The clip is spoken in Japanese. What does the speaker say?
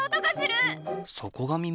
そこが耳？